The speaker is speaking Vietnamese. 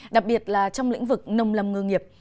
đặc biệt là trong lĩnh vực nông lâm ngư nghiệp